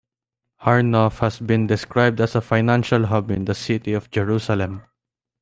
Har Nof has been described as a "financial hub" in the city of Jerusalem.